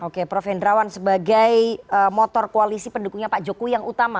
oke prof hendrawan sebagai motor koalisi pendukungnya pak jokowi yang utama